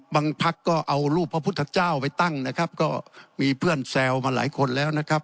พักก็เอารูปพระพุทธเจ้าไปตั้งนะครับก็มีเพื่อนแซวมาหลายคนแล้วนะครับ